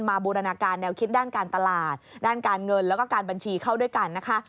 บูรณาการแนวคิดด้านการตลาดด้านการเงินแล้วก็การบัญชีเข้าด้วยกันนะคะ